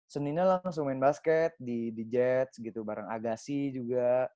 seninnya langsung main basket di jets gitu bareng agassi juga